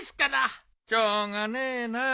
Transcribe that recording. しょうがねえなあ。